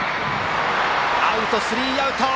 アウト、スリーアウト！